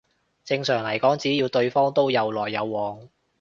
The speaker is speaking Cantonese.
正常嚟講只要對方都有來有往